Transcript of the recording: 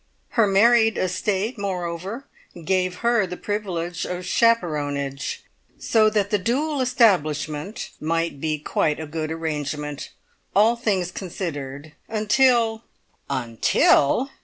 Her married estate, moreover, gave her the privilege of chaperonage, so that the dual establishment might be quite a good arrangement, all things considered, "until " "Until!"